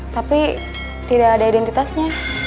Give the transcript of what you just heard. tapi tidak ada identitasnya